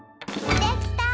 できた！